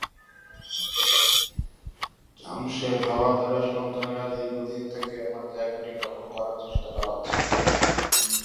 জামসেদ হাওলাদারের সন্তানেরা দীর্ঘদিন থেকে আমার জায়গাটি দখল করার চেষ্টা চালাচ্ছে।